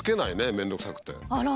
面倒くさくて。